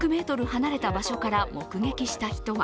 離れた場所から目撃した人は